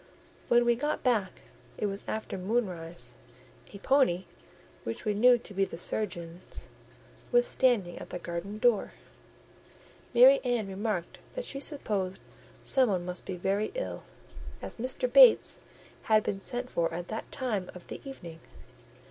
When we got back, it was after moonrise: a pony, which we knew to be the surgeon's, was standing at the garden door. Mary Ann remarked that she supposed some one must be very ill, as Mr. Bates had been sent for at that time of the evening.